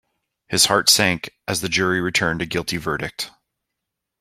His heart sank as the jury returned a guilty verdict.